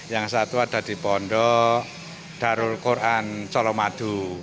yang satu ada di pondok darul quran colomadu